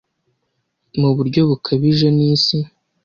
muburyo bukabije nisi,